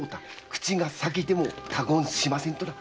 口が裂けても他言しません」とな。